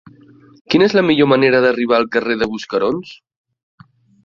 Quina és la millor manera d'arribar al carrer de Buscarons?